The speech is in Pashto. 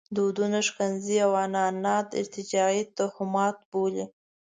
دودونه ښکنځي او عنعنات ارتجاعي توهمات بولي.